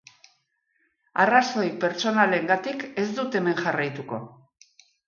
Arrazoi pertsonalengatik ez dut hemen jarraituko.